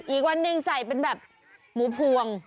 อีกวันหนึ่งใส่เป็นแบบหมูพวง